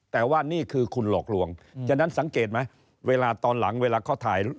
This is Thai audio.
แต่ว่านี่คือคุณหลอกลวงฉะนั้นสังเกตไหมเวลาตอนหลังเวลาเขาถ่าย